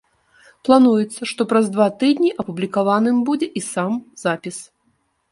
Плануецца, што праз два тыдні апублікаваным будзе і сам запіс.